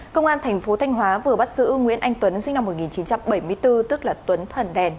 công an thành phố thanh hóa vừa bắt giữ nguyễn anh tuấn sinh năm một nghìn chín trăm bảy mươi bốn tức là tuấn thần đèn